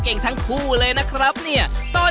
คนละลูกก่อนใจเย็น